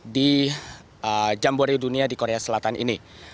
di jambore dunia di korea selatan ini